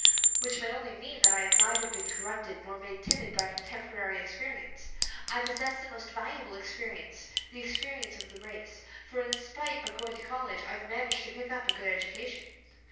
"Which may only mean that I have neither been corrupted nor made timid by contemporary experience. I possess the most valuable experience, the experience of the race, for in spite of going to college I've managed to pick up a good education."